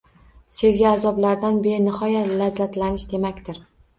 Sevgi azoblardan benihoya lazzatlanish demakdir.